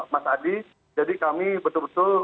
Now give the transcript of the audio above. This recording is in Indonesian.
mas adi jadi kami betul betul